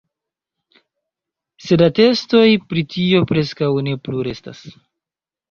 Sed atestoj pri tio preskaŭ ne plu restas.